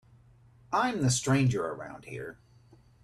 I'm the stranger around here.